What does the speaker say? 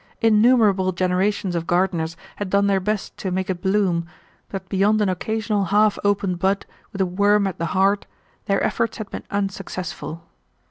Innumerable generations of gardeners had done their best to make it bloom, but beyond an occasional half opened bud with a worm at the heart, their efforts had been unsuccessful.